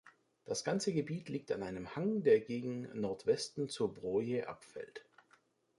Das ganze Gebiet liegt an einem Hang, der gegen Nordwesten zur Broye abfällt.